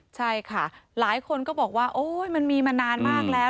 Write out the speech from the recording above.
ใช่ค่ะหลายคนก็บอกว่าโอ๊ยมันมีมานานมากแล้ว